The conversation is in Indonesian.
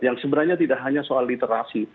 yang sebenarnya tidak hanya soal literasi